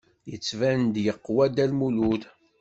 Yettban-d yeqwa Dda Lmulud.